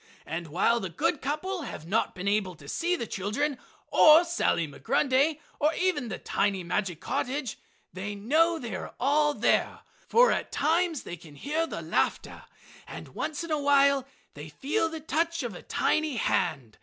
And while the good couple have not been able to see the children or Sally Migrundy, or even the tiny magic cottage, they know they are all there, for at times they can hear the laughter and once in a while they feel the touch of a tiny hand.